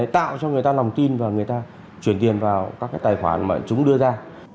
tạo cho người ta lòng tin và người ta chuyển tiền vào các tài khoản mà chúng đưa ra